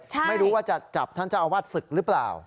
ไม่รู้ว่าจะจับท่านเจ้าอาวาสศึกหรือเปล่า